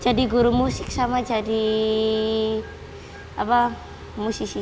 jadi guru musik sama jadi musisi